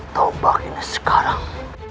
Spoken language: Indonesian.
taubah ini sekarang